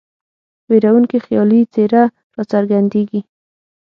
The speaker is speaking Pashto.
ویرونکې خیالي څېره را څرګندیږي.